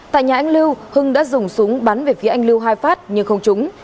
tại nhà anh lưu hưng đã dùng súng bắn về phía anh lưu hai phát nhưng không trúng